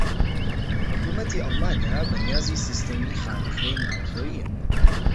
حوکمەتی ئەڵمانیا بەنیازی سیستەمی خانە خوێی ناوەخۆییە